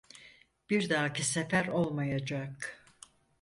Bir dahaki sefer olmayacak.